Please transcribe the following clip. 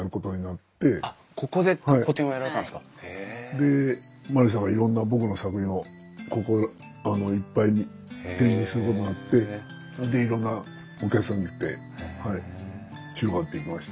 で万里さんがいろんな僕の作品をここいっぱいに展示することになってでいろんなお客さんが来てはい広がっていきました。